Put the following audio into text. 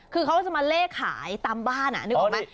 คือเขาจะมาเลขขายตามบ้านนึกออกไหม